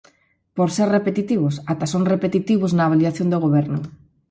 Por ser repetitivos, ata son repetitivos na avaliación do Goberno.